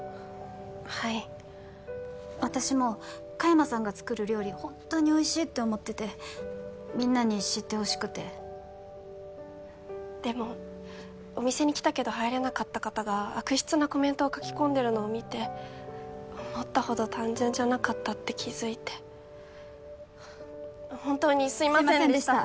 はい私も香山さんが作る料理ホンットにおいしいって思っててみんなに知ってほしくてでもお店に来たけど入れなかった方が悪質なコメントを書き込んでるのを見て思ったほど単純じゃなかったって気づいて本当にすいませんでした